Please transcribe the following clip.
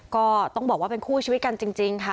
ก็ต้องบอกว่าเป็นคู่ชีวิตกันจริงค่ะ